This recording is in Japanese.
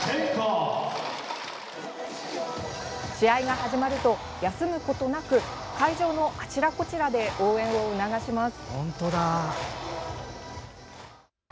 試合が始まると、休むことなく会場のあちらこちらで応援を促します。